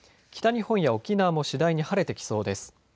北日本や沖縄も次第に晴れてきそうです。